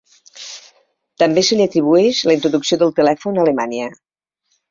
També se li atribueix la introducció del telèfon a Alemanya.